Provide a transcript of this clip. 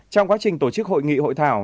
trong quá trình tổ chức hội nghị hội thảo